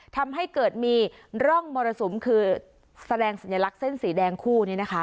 ทำให้เกิดมีร่องมรสุมคือแสดงสัญลักษณ์เส้นสีแดงคู่นี้นะคะ